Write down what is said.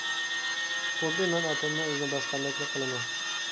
خۇددى مەن ئاپامنىڭ ئىزىنى باسقاندەكلا قىلىمەن.